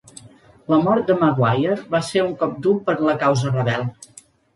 La mort de Maguire va ser un cop dur per a la causa rebel.